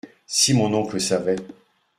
Si mon oncle savait !…